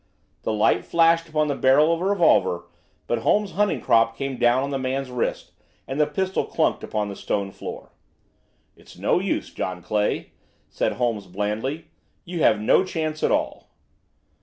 The light flashed upon the barrel of a revolver, but Holmes' hunting crop came down on the man's wrist, and the pistol clinked upon the stone floor. "It's no use, John Clay," said Holmes blandly. "You have no chance at all."